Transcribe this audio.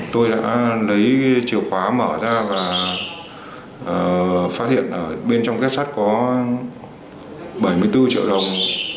tôi đã lấy chìa khóa mở ra và phát hiện ở bên trong kết sắt có bảy mươi bốn triệu đồng